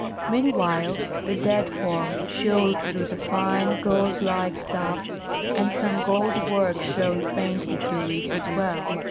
Meanwhile the dead form showed through the fine, gauze like stuff, and some gold work shone faintly through it as well.